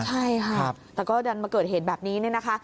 ใช่ค่ะแต่ก็ดันมาเกิดเหตุแบบนี้เนี่ยนะคะ